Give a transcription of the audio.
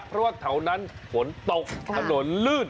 เพราะว่าแถวนั้นฝนตกถนนลื่น